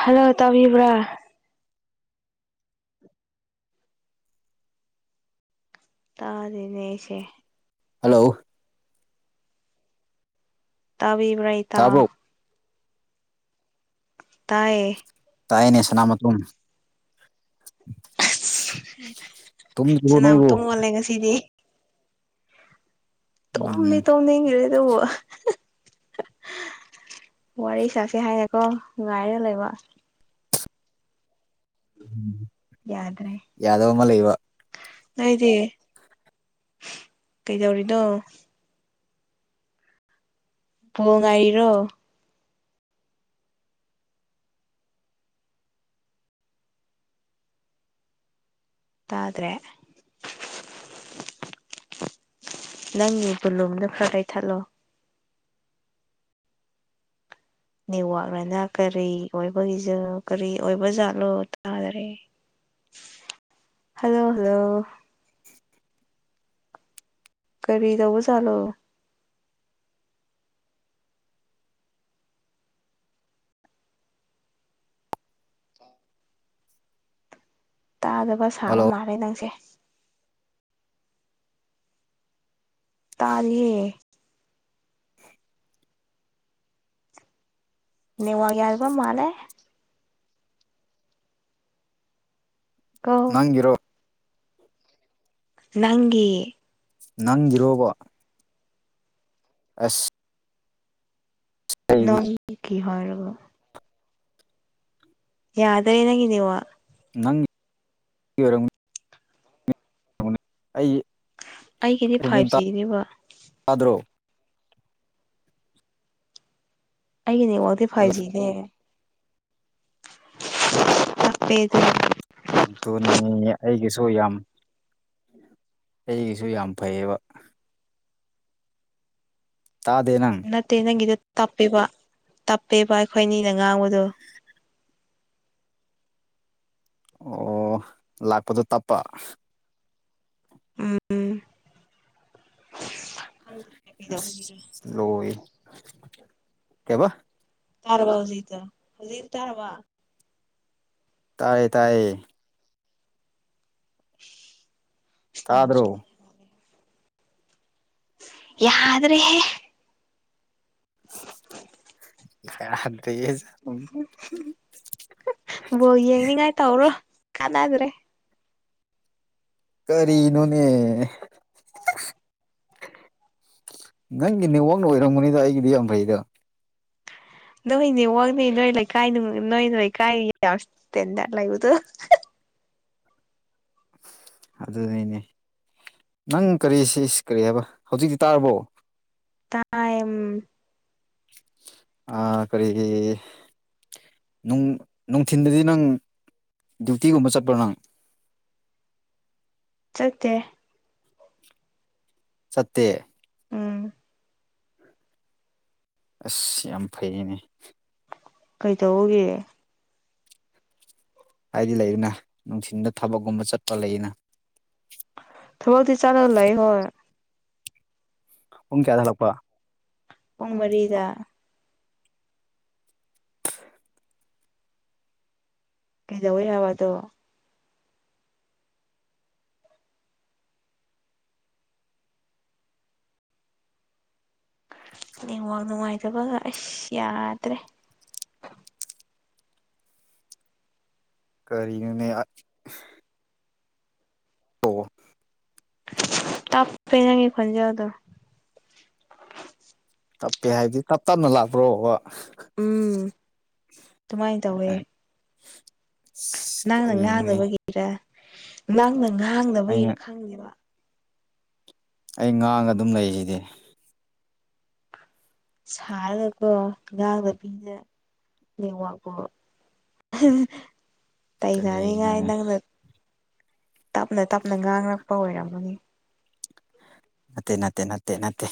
hello ꯇꯕꯤꯕ꯭ꯔꯥ ꯇꯥꯔꯅꯦꯁꯦ hello ꯇꯕꯤꯕ꯭ꯔꯩꯇꯥ ꯇꯥꯕ꯭ꯔꯣ ꯇꯌꯦ ꯇꯥꯏꯅꯦ ꯁꯂꯃꯠꯇꯨꯝ ꯑꯁ ꯇꯨꯝꯗ꯭ꯔꯤꯕꯣ ꯁꯅꯥꯃꯨꯛꯇ ꯅꯣꯏꯕꯨ ꯑꯣꯣꯜꯂꯦ ꯉꯁꯤꯗꯤ ꯇꯣꯝꯅꯤ ꯎꯝ ꯇꯣ ꯍ ꯏꯔꯤꯦꯗ ꯋꯥꯔꯤ ꯁꯥꯁꯦ ꯍꯥꯏꯌꯦꯦꯀꯣ ꯉꯥꯏꯔꯦ ꯂꯩꯕ ꯎꯝ ꯌꯥꯗ꯭ꯔꯦ ꯀꯃ ꯂꯩꯕ ꯅꯣꯏꯗꯤ ꯀꯩꯗꯧꯔꯤꯅꯣ ꯐ ꯉꯏꯔꯣ ꯇꯥꯗ꯭ꯔꯦ ꯅꯪꯅꯦ ꯕꯨꯂꯣꯝꯗ ꯐ ꯀꯩ ꯊꯠꯂꯣ ꯅꯋꯥꯛꯅꯅ ꯀꯔꯤ ꯑꯣꯏꯕꯒꯤꯖ ꯀꯔꯤ ꯑꯣꯏꯕ ꯖꯠꯂꯣ ꯇꯥꯗꯔꯦ ꯍꯜꯂꯣ ꯍꯜꯂꯣ ꯀꯔꯤ ꯇꯧꯕ ꯆꯂꯣ ꯇꯥꯗꯕ ꯁꯥꯕ ꯍꯜꯂꯣ ꯃꯥꯜꯂꯦ ꯅꯪꯁꯦ ꯇꯥꯔꯦ ꯅꯋꯥꯒ ꯌꯥꯜꯕ ꯃꯥꯂꯦ ꯀꯣ ꯅꯪꯔꯣ ꯅꯪꯒꯤ ꯅꯪꯒꯤꯔꯣꯕ ꯑꯁ ꯅ ꯑꯩꯗꯤ ꯀ ꯍꯔꯕꯣ ꯌꯥꯗ꯭ꯔ ꯌꯦꯅꯒꯤꯅꯤ ꯋꯥ ꯅꯪ ꯑꯣꯏꯔꯝ ꯑꯩꯒꯤꯗꯤ ꯐꯥꯏꯚ ꯑꯩꯣꯟꯖꯤ ꯖꯤꯅꯦꯕ ꯇꯥꯗ꯭ꯔꯣ ꯑꯩꯒꯤꯅꯦ ꯋꯥꯗꯤ ꯑꯗꯣ ꯐꯥꯏꯚ ꯖꯤꯅꯦ ꯇꯦꯗ ꯑꯗꯨꯅꯤ ꯑꯩꯒꯤꯁꯨ ꯌꯥꯝ ꯑꯩꯒꯤꯁꯨ ꯌꯥꯝ ꯐꯩꯌꯦꯕ ꯇꯥꯗꯦ ꯅꯪ ꯅꯠꯇꯦ ꯅꯪꯒꯤꯗ ꯇꯞꯄꯤꯦꯕ ꯇꯞꯄꯤꯕ ꯑꯩꯈꯣꯏ ꯑꯅꯤꯅ ꯉꯥꯡꯕꯗꯣ ꯑꯣ ꯂꯥꯛꯄꯗꯣ ꯇꯞꯄ ꯎꯝ ꯈꯪꯗ꯭ꯔꯦ ꯀꯩꯗꯧꯕꯒꯤꯔ ꯂꯣ ꯀꯕ ꯇꯔꯋꯥ ꯍꯧꯖꯤ ꯆ ꯍꯧꯖꯤ ꯇꯔꯋꯥ ꯇꯥꯏꯌꯦ ꯇꯥꯏꯌꯦ ꯁꯂ ꯇꯥꯗ꯭ꯔꯣ ꯌꯥ꯭ꯔꯦ ꯆ ꯕꯣ ꯌꯦꯡꯅꯤꯡꯉꯥꯏ ꯇꯧꯔꯣ ꯑꯗ꯭ꯔꯦ ꯀꯔꯤꯅꯨꯅꯦ ꯅꯪꯒꯤ ꯅꯦꯛꯋꯥꯛꯅ ꯑꯣꯏꯔꯝꯝꯕꯅꯤꯗ ꯑꯩꯒꯤꯗꯤ ꯌꯥꯝ ꯐꯩꯗ ꯅꯣꯏꯅꯦꯋꯥꯛꯅꯦ ꯅꯣꯏ ꯂꯩꯀꯥꯏ ꯅꯣꯏ ꯂꯩꯀꯥꯏ ꯌꯥꯎꯦꯟꯗꯔ ꯂꯩꯕꯗꯣ ꯑꯗꯨ ꯑꯗꯨꯅꯅꯦ ꯅꯪ ꯀꯔꯤ ꯁꯤ ꯀꯔꯤ ꯍꯥꯏꯕ ꯍꯧꯖꯤꯛꯇꯤ ꯇꯥꯔꯕꯣ ꯇꯥꯏ ꯀꯔꯤꯒꯤ ꯅꯨꯡꯊꯤꯤꯟꯗꯗꯤ ꯅꯪ ꯗ꯭ꯌꯨꯇꯤꯒꯨꯝꯕ ꯆꯠꯄ꯭ꯔꯣ ꯅꯪ ꯆꯠꯇꯦ ꯁꯠꯇꯦ ꯎꯝ ꯑꯁ ꯌꯥꯝ ꯐꯩꯅꯦ ꯀꯩꯗꯧꯕꯒꯤ ꯍꯥꯏꯗꯤ ꯂꯩꯗꯅ ꯅꯨꯡꯊꯤꯟꯗ ꯊꯕꯛꯀꯨꯝꯕ ꯆꯠꯄ ꯂꯩꯌꯦꯅ ꯊꯕꯛꯗꯤ ꯆꯂ ꯂꯩꯏ ꯍꯣꯏ ꯎ ꯀꯌꯥꯗꯂꯛꯄ ꯎꯉ ꯃꯔꯤꯗ ꯀꯩꯗꯎꯣꯏ ꯌꯥꯕꯗ ꯅꯋꯥꯥꯛ ꯅꯨꯡꯉꯥꯏꯇꯕꯒ ꯑꯁ ꯌꯥꯗ꯭ꯔꯦ ꯀꯔꯤꯅꯦ ꯑꯣ ꯇꯄꯦꯅꯉꯦ ꯈꯣꯟꯖꯥꯎꯗ ꯇꯞꯄꯦ ꯍꯥꯏꯗꯤ ꯇꯞ ꯇꯞꯅ ꯂꯥꯛꯄ꯭ꯔꯣꯕ ꯎꯝ ꯑꯗꯨꯃꯥꯏꯅ ꯇꯧꯋꯦ ꯑꯁ ꯅꯪꯅ ꯀꯔꯤꯅꯣꯅꯦ ꯉꯥꯡꯅꯕꯒꯤꯔ ꯅꯪꯅ ꯉꯥꯡꯅꯕꯒꯤꯔ ꯑꯩꯅ ꯈꯪꯗꯦꯕ ꯑꯩ ꯉꯥꯡꯉ ꯑꯗꯨꯝ ꯂꯩꯁꯤꯗꯤ ꯁꯥꯔꯒꯀꯣ ꯉꯥꯡꯗꯕꯤꯗ [unintelligible] ꯀꯔꯤꯅꯣꯅꯦ [unintelligible] ꯇꯞꯅ ꯇꯞꯅ ꯉꯥꯡꯂꯛꯄ ꯑꯣꯏꯔꯝꯃꯅꯤ ꯅꯠꯇꯦ ꯅꯠꯇꯦ ꯅꯠꯇꯦ ꯅꯠꯇꯦ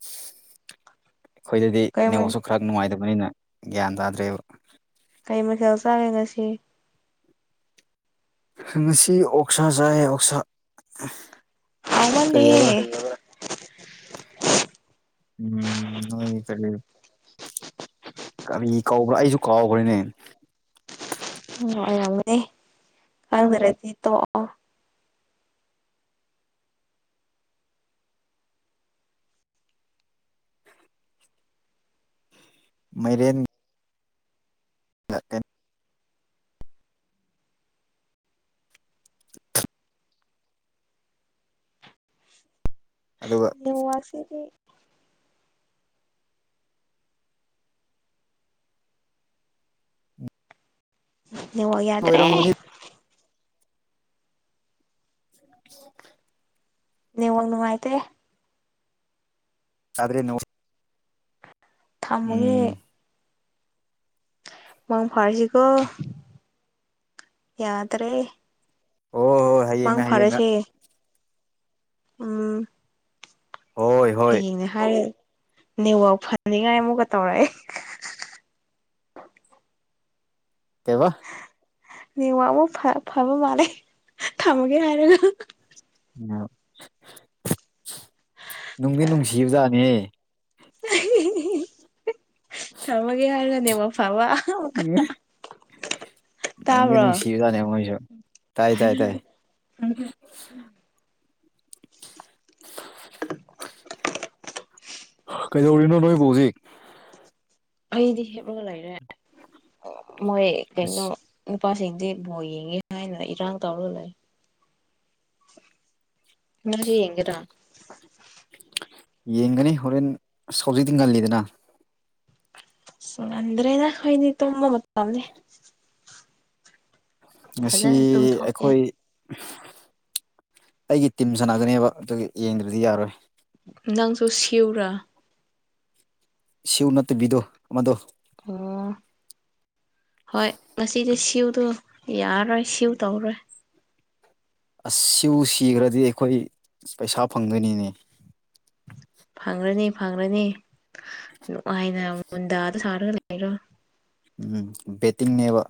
ꯑꯩꯈꯣꯏꯗꯗꯤ ꯀꯩ ꯅꯦꯋꯥꯛꯁꯨ ꯈꯔ ꯅꯨꯡꯉꯥꯏꯇꯕꯅꯤꯅ ꯒ꯭ꯌꯥꯟ ꯇꯥꯗ꯭ꯔꯦꯕ ꯀꯩ ꯃꯊꯦꯜ ꯆꯔꯦ ꯉꯁꯤ ꯉꯁꯤ ꯑꯣꯛꯁꯥ ꯆꯥꯏ ꯑꯣꯛꯁꯥ ꯀꯔꯤ ꯍꯥꯏꯕ꯭ꯔꯥ [unintelligible] ꯎꯝ ꯅꯤꯏꯗꯤ ꯀꯔꯤ ꯀꯔꯤ ꯀꯧꯕ꯭ꯔꯥ ꯑꯩꯁꯨ ꯀꯥꯎꯈ꯭ꯔꯦꯅꯦ ꯑꯣ [unintelligible] ꯈꯪꯗ꯭ꯔꯗꯤ ꯇꯣꯛꯑꯣ ꯃꯥꯔꯦꯟ [unintelligible] ꯑꯗꯨꯒ [unintelligible] ꯅꯦꯋꯥꯛ ꯌꯥꯗ꯭ꯔꯦ ꯑꯣꯏꯔꯝꯒꯅꯤ [unintelligible] ꯅꯦꯋꯥꯛ ꯅꯨꯡꯉꯥꯏꯇꯦ [unintelligible] ꯊꯃꯃꯥꯒꯦ ꯎꯝ ꯃꯪ ꯐꯔꯁꯤ ꯀꯣ ꯌꯥꯗꯔꯦ ꯍꯣꯏ ꯍꯣꯏ ꯃꯪ ꯍꯌꯦꯡꯅ ꯍꯌꯦꯡꯅ ꯐꯔꯥꯁꯦ ꯎꯝ ꯍꯣꯏ ꯍꯣꯏ ꯍꯥꯌꯦꯡꯅꯦ ꯍꯥꯏꯔ ꯅꯦꯋꯥꯛ ꯐꯅꯤꯡꯉꯥꯏ ꯑꯃꯨꯛꯀ ꯇꯧꯔꯑꯦ ꯀꯩꯕ ꯅꯦꯋꯥꯛ ꯑꯃꯨꯀ ꯐꯕ ꯃꯥꯂꯦ ꯊꯝꯃꯒꯦ ꯍꯥꯏꯔꯒꯥ ꯅꯨꯡꯗꯤ ꯅꯨꯡꯁꯤꯕꯖꯥꯠꯅꯦ [inaudible] ꯊꯝꯃꯒꯦ ꯍꯥꯏꯔꯒꯥ ꯅꯦꯋꯥꯀ ꯐꯕ ꯑꯃꯨꯛꯀꯥ ꯅꯨꯡꯗꯤ ꯅꯨꯡꯁꯤꯕꯖꯥꯠꯅꯦ [unintelligible] ꯇꯥꯏ ꯇꯥꯏ ꯇꯥꯏ ꯀꯩꯗꯧꯔꯤꯅꯣ ꯅꯣꯏꯕꯨ ꯍꯧꯖꯤꯛ ꯑꯩꯗꯤ ꯍꯦꯞꯂꯒ ꯂꯩꯔꯦ ꯃꯣꯏ ꯑꯁ ꯀꯩꯅꯣ ꯅꯨꯄꯥꯁꯤꯡꯗꯤ ꯕꯣꯜ ꯌꯦꯡꯉꯦ ꯍꯥꯏꯅ ꯏꯔꯥꯡ ꯇꯧꯔ ꯂꯩ ꯅꯪꯁꯨ ꯌꯦꯡꯒꯦꯔꯥ ꯌꯦꯡꯒꯅꯤ ꯍꯣꯔꯦꯟ ꯍꯧꯖꯤꯛꯇꯤ ꯉꯜꯂꯤꯗꯅ ꯉꯟꯗꯔ꯭ꯦꯗꯥ ꯈꯣꯏꯗꯤ ꯇꯨꯝꯕꯥ ꯃꯠꯇꯝꯅꯤ ꯉꯁꯤ ꯇꯨꯝꯊꯣꯛꯀꯦ ꯑꯩꯈꯣꯏ ꯑꯩꯒꯤ ꯇꯤꯝ ꯁꯥꯟꯅꯒꯅꯦꯕ ꯑꯗꯨ ꯌꯦꯡꯗ꯭ꯔꯗꯤ ꯌꯥꯔꯣꯏ ꯅꯪꯖꯨ ꯁꯤꯎꯔꯥ ꯁꯤꯎ ꯅꯠꯇꯕꯤꯗꯨ ꯑꯃꯗꯨ ꯑꯣ ꯍꯣꯏ ꯉꯁꯤꯗꯤ ꯁꯤꯎꯗꯨ ꯌꯥꯔꯣꯏ ꯁꯤꯎ ꯇꯧꯔꯦ ꯑꯁ ꯁꯤꯎ ꯁꯤꯈ꯭ꯔꯗꯤ ꯑꯩꯈꯣꯏ ꯄꯩꯁꯥ ꯐꯪꯗꯣꯏꯅꯤꯅꯦ ꯐꯪꯉ꯭ꯔꯅꯤ ꯐꯪꯉ꯭ꯔꯅꯤ ꯅꯨꯡꯉꯥꯏꯅ ꯃꯨꯟꯗꯥꯗ ꯁꯥꯔꯒ ꯂꯩꯔꯣ ꯎꯝ ꯕꯦꯇꯤꯡ ꯅꯦꯕꯥ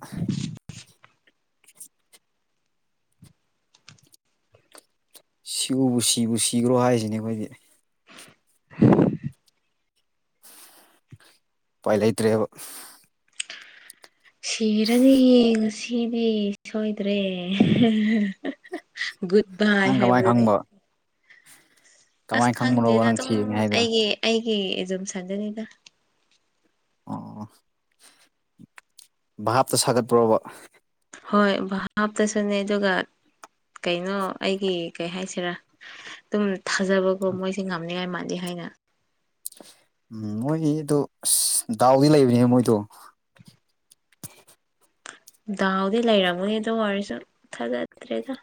ꯁꯤꯎꯕꯨ ꯁꯤꯕꯨ ꯁꯤꯈ꯭ꯔꯣ ꯍꯥꯏꯁꯤꯅꯦ ꯑꯩꯈꯣꯏꯗꯤ ꯍꯝ ꯄꯥꯏ ꯂꯩꯇ꯭ꯔꯦꯕ ꯁꯤꯔꯅꯤ ꯉꯁꯤꯗꯤ ꯁꯣꯏꯗ꯭ꯔꯦ ꯒꯨꯗ ꯕꯥꯏ ꯅꯪ ꯀꯃꯥꯏꯅ ꯍꯥꯏꯕꯗꯨ ꯈꯪꯕ ꯑꯁ ꯀꯃꯥꯏꯅ ꯈꯪꯕꯅꯣꯕ ꯈꯪꯗꯦꯗ ꯅꯪ ꯑꯗꯨꯝ ꯁꯤꯅꯤ ꯍꯥꯏꯗꯣ ꯑꯩꯒꯤ ꯑꯩꯒꯤ ꯑꯗꯨꯨꯝ ꯁꯟꯖꯅꯤꯗ ꯑꯣ ꯚꯥꯞꯇ ꯁꯥꯒꯠꯄ꯭ꯔꯣꯕ ꯍꯣꯏ ꯍꯥꯞꯇꯁꯨꯅꯦ ꯑꯗꯨꯒ ꯀꯩꯅꯣ ꯑꯩꯒꯤ ꯀꯩ ꯍꯥꯏꯁꯤꯔꯥ ꯑꯗꯨꯝ ꯊꯥꯖꯕꯀꯣ ꯃꯣꯏꯁꯦ ꯉꯝꯅꯤꯉꯥꯏ ꯃꯥꯜꯂꯤ ꯍꯥꯏ ꯑ ꯎꯝ ꯃꯣꯏꯒꯤ ꯑꯗꯨ ꯑ ꯗꯥꯎꯗꯤ ꯂꯩꯕꯅꯦ ꯃꯣꯏꯗꯣ ꯗꯥꯎꯗꯤ ꯂꯩꯔꯝꯒꯅꯤ ꯑꯗꯨ ꯋꯥꯔꯤꯁꯨ ꯊꯥꯖꯗ꯭ꯔꯦꯗ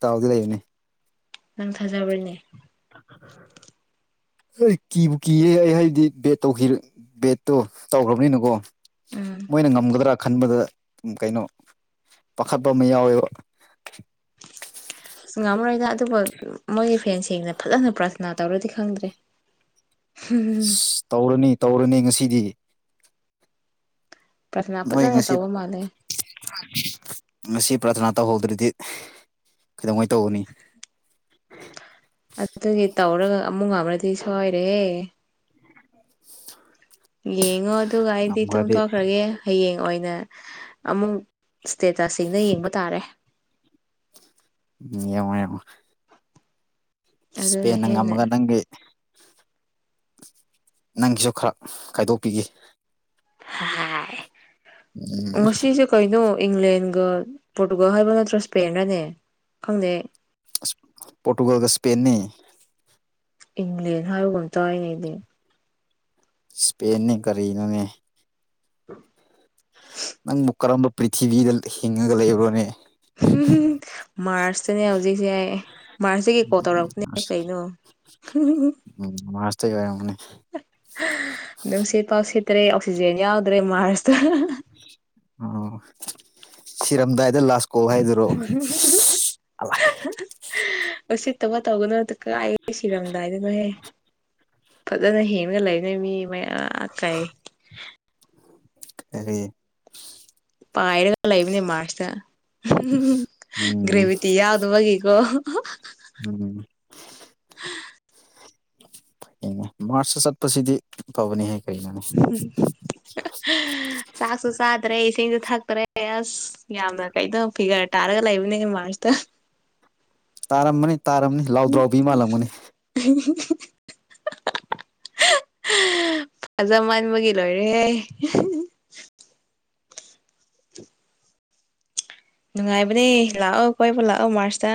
ꯇꯥꯎꯗꯤ ꯂꯩꯕꯅꯦ ꯅꯪ ꯊꯥꯖꯕꯔꯤꯅꯦ ꯑꯩ ꯀꯤꯕꯨ ꯀꯤꯌꯦ ꯑꯩ ꯍꯥꯏꯗꯤ ꯕꯦꯠ ꯕꯦꯠꯇꯣ ꯇꯧꯈ꯭ꯔꯕꯅꯤꯅꯀꯣ ꯎꯝ ꯃꯣꯏꯅ ꯉꯝꯒꯗ꯭ꯔꯥ ꯈꯟꯕꯗ ꯀꯩꯅꯣ ꯄꯥꯈꯠꯄ ꯑꯃ ꯌꯥꯎꯋꯦꯕ ꯁꯨꯡꯉꯝꯔꯣꯏꯗ ꯑꯗꯨꯕꯨ ꯃꯣꯏꯒꯤ ꯐ꯭ꯔꯦꯟꯁꯤꯡꯅ ꯐꯖꯅ ꯄ꯭ꯔꯊꯅꯥ ꯇꯧꯔꯗꯤ ꯈꯪꯗ꯭ꯔꯦ ꯑꯁ ꯇꯧꯔꯅꯤ ꯇꯧꯔꯅꯤ ꯉꯁꯤꯗꯤ ꯄ꯭ꯔꯥꯊꯅꯥ ꯅꯣꯏ ꯐꯖꯅ ꯉꯦꯁꯤ ꯇꯧꯕ ꯃꯥꯜꯂꯦ ꯉꯁꯤ ꯄ꯭ꯔꯊꯅꯥ ꯇꯧꯍꯧꯗ꯭ꯔꯗꯤ ꯀꯩꯗꯧꯉꯩ ꯇꯧꯒꯅꯤ ꯑ ꯇꯧꯔꯒ ꯑꯃꯨꯛ ꯉꯅꯗꯤ ꯁꯣꯏꯔꯦ ꯌꯦꯡꯉꯣ ꯑꯗꯨꯒ ꯑꯩꯗꯤ ꯉꯝꯈ꯭ꯔꯗꯤ ꯇꯣꯡꯊꯣꯛꯈ꯭ꯔꯒꯦ ꯍꯌꯦꯡ ꯑꯣꯏꯅ ꯑꯃꯨꯛ ꯁ꯭ꯇꯦꯇꯁꯁꯤꯡꯅ ꯌꯦꯡꯕ ꯇꯥꯔꯦ ꯌꯦꯃ ꯌꯥꯝꯃ ꯑꯗꯨꯅ ꯏꯁꯄꯦꯟꯅ ꯍꯦꯟꯅ ꯉꯝꯃꯒ ꯅꯪꯒꯤ ꯅꯪꯒꯤꯁꯨ ꯈꯔ ꯈꯥꯏꯗꯣꯛꯄꯤꯒ ꯎꯝ ꯉꯁꯤꯁꯨ ꯀꯩꯅꯅꯣ ꯏꯪꯂ꯭ꯂꯦꯟ ꯄꯣꯔꯇꯨꯒꯜ ꯍꯥꯏꯕ ꯅꯠꯇ꯭ꯔꯣ ꯏꯁꯄꯦꯟ ꯍꯥꯏꯅꯦ ꯈꯪꯗꯦ ꯄꯣꯣꯔꯇꯨꯒꯜꯒ ꯁꯄꯦꯟꯅꯤ ꯏꯪꯂꯦꯟ ꯍꯥꯏꯕꯒꯨꯝꯇꯥꯏꯅꯦꯗꯤ ꯏꯁꯄꯦꯟꯅꯤ ꯀꯔꯤꯅꯅꯦ ꯑꯝ ꯅꯪꯕꯨ ꯀꯔꯝꯕ ꯄ꯭ꯔꯤꯊꯤꯕꯤꯗ ꯍꯤꯡꯉꯒ ꯂꯩꯕ꯭ꯔꯣꯅꯦ ꯎ ꯃꯥꯔꯁꯇꯅꯦ ꯍꯧꯖꯤꯛꯁꯦ ꯃꯥꯔꯁꯇ ꯀꯩꯀꯣꯜ ꯇꯧꯔꯛꯄꯅꯦ ꯀꯩꯅꯣ ꯎꯝ ꯃꯥꯁꯇ ꯑꯣꯏꯔꯦ ꯃꯅꯤ ꯑꯗꯨꯁꯦ ꯄꯥꯎꯁꯤꯦ ꯇ꯭ꯔꯦ ꯑꯣꯛꯁꯤꯖꯦꯟ ꯌꯥꯎꯗ꯭ꯔꯦ ꯃꯥꯔꯁꯇ ꯁꯤꯔꯝꯗꯏ ꯑꯂꯥ ꯎ ꯎꯆ ꯊꯃ ꯇꯧꯒꯅꯣ ꯀꯥꯏ ꯁꯤꯔꯝꯗꯥꯏꯗꯅꯍꯦ ꯐꯖꯅ ꯍꯦꯉ ꯂꯩꯅꯦꯣꯏ ꯃꯤ ꯃꯌꯥꯝ ꯑ ꯀꯥꯏ ꯑꯦ ꯄꯥꯏꯔꯒ ꯂꯩ ꯏꯕꯅꯦ ꯃꯥꯁ ꯎꯝ ꯎꯝ ꯒ꯭ꯔꯦꯕꯤ ꯇꯤ ꯌꯥꯎꯗ ꯋꯥ ꯏꯒꯣ [inaudible] ꯃꯥꯔꯁꯇ ꯆꯠꯄꯁꯤꯗꯤ ꯐꯕꯅꯤ ꯍꯦꯛ ꯁꯥꯁꯨꯨ ꯁꯥꯗ ꯔꯦꯁꯤ ꯊꯛꯈ꯭ꯔꯦ ꯑꯁ ꯌꯥꯝꯅ ꯀꯩꯅꯣ ꯐꯤꯒꯔ ꯇꯥꯔꯒ ꯂꯩꯕꯅꯤ ꯃꯥꯔꯁꯇ ꯇꯥꯔꯝꯃꯅꯤ ꯇꯥꯔꯝꯅꯤ ꯂꯥꯎꯗ ꯂꯥꯎꯕꯤ ꯃꯥꯜꯂꯝꯒꯅꯤ [inaudible] ꯐꯖ ꯃꯟꯕꯒꯤ ꯂꯣꯏꯔꯦꯍꯦ ꯅꯨꯡꯉꯥꯏꯕꯅꯦ ꯂꯥꯛꯑꯣ ꯀꯣꯏꯕꯨ ꯂꯥꯛꯑꯣ ꯃꯥꯔꯁꯇ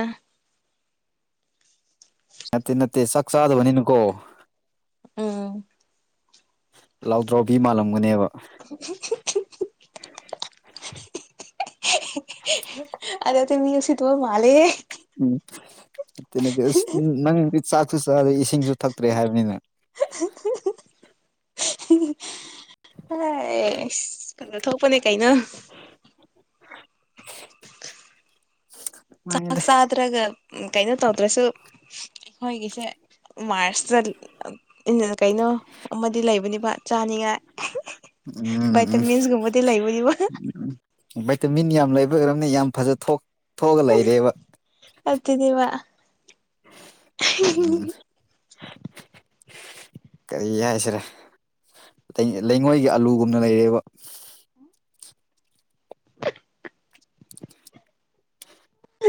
ꯅꯠꯇꯦ ꯅꯠꯇꯦ ꯁꯛꯆꯥꯗꯚꯅꯤꯅꯤꯀꯣ ꯑꯥ ꯂꯥꯎꯗ꯭ꯔꯥꯎꯕꯤ ꯃꯥꯜꯂꯝꯒꯅꯦꯕ [inaudible] ꯑꯗꯦ ꯑꯇꯩ ꯃꯤ ꯑꯁꯤꯁꯤ ꯊꯕ ꯃꯥꯂ ꯎꯝ ꯅꯪ ꯆꯥꯛꯁꯨ ꯆꯦ ꯏꯁꯤꯡꯁꯨ ꯊꯛꯇ꯭ꯔꯦ ꯍꯥꯏꯕꯅꯤꯅ ꯍ ꯀꯩꯅꯣ ꯊꯣꯛꯄꯅꯦ ꯀꯩꯅꯣ [inaudible] ꯆꯥꯛ ꯃꯥꯅꯦꯗ ꯆꯥꯗ꯭ꯔꯒ ꯀꯩꯅꯣ ꯇꯧꯗ꯭ꯔꯁꯨ ꯍꯣꯏꯒꯁꯦ ꯃꯥꯔꯁꯇꯠ ꯀꯩꯅꯣ ꯑꯃꯗꯤ ꯂꯩꯕꯅꯤꯕ ꯎꯝ ꯆꯥꯅꯤꯡꯉꯥꯏ ꯏꯇ ꯎꯝ ꯃꯁ ꯨꯃꯗ ꯂꯕꯅꯤꯕ ꯍꯥꯏꯕꯝꯅ ꯌꯥꯝ ꯐꯖ ꯊꯣꯛꯑꯒ ꯂꯩꯔꯦꯕ ꯑꯗꯨꯅꯦꯕ ꯎꯝ ꯀꯔꯤ ꯌꯥꯏꯁꯤꯔꯦ ꯂꯩꯉꯣꯏꯒꯤ ꯑꯂꯨꯒꯨꯝꯅ ꯂꯩꯔꯦꯕ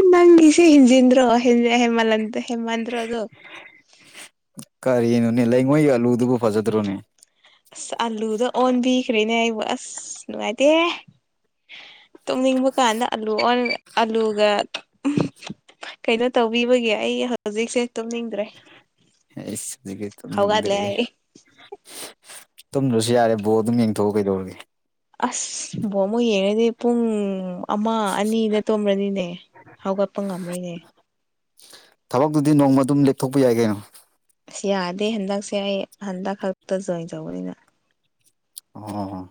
ꯅꯪꯁꯤꯦ ꯍꯟꯖꯟ꯭ꯔꯣ ꯍꯖ ꯍꯦꯃꯜꯗ ꯍꯦꯃꯥꯥꯟ꯭ꯔꯣ ꯑꯗꯨ ꯑꯗꯨ ꯀꯔꯤꯅꯣꯅꯦ ꯂꯩꯉꯣꯏꯒꯤ ꯑꯂꯨꯗꯨꯕꯨ ꯐꯖꯗ꯭ꯔꯣꯅꯦ ꯑꯁ ꯑꯥꯂꯨꯗ ꯑꯣꯟꯕꯤꯈ꯭ꯔꯦꯅꯦ ꯑꯩꯕꯨ ꯑꯁ ꯅꯨꯡꯉꯥꯏꯇꯦ ꯇꯨꯝꯅꯤꯡꯕ ꯀꯥꯟꯗ ꯑꯂꯨ ꯑꯂꯨꯒ ꯀꯩꯅꯣ ꯇꯧꯕꯤꯕꯒꯦ ꯑꯩ ꯍꯧꯖꯤꯛꯁꯦ ꯇꯅꯤꯗ꯭ꯔꯦ ꯑꯩꯁ ꯍꯧꯖꯤꯛꯀꯤ ꯍꯧꯒꯗꯂꯦ ꯇꯨꯝꯅꯤꯡꯗ꯭ꯔꯦ ꯇꯨꯝꯗ꯭ꯔꯁꯨ ꯌꯥꯔꯦ ꯕꯣꯔ ꯑꯗꯨꯝ ꯌꯦꯡꯊꯣꯛꯑ ꯀꯩꯗꯧꯔꯒꯦ ꯑꯁꯕꯣ ꯑꯃꯨꯛ ꯌꯦꯡꯉꯗꯤ ꯄꯨꯡ ꯑꯃ ꯑꯅꯤꯗ ꯇꯣꯂꯅꯤꯅꯦ ꯍꯧꯥꯎꯒꯄ ꯉꯝꯔꯅꯦ ꯊꯕꯛꯇꯨꯗꯤ ꯅꯣꯡꯃ ꯑꯗꯨꯝ ꯂꯦꯞꯊꯣꯛꯄ ꯌꯥꯏ ꯀꯩꯅꯣ ꯑꯁ ꯌꯥꯗꯦ ꯍꯟꯗꯛꯁꯦ ꯑꯩ ꯍꯟꯗꯛ ꯈꯛꯇ ꯖꯣꯏꯟ ꯇꯧꯕꯅꯤꯅ ꯑꯣ